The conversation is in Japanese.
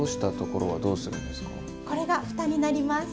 これがふたになります。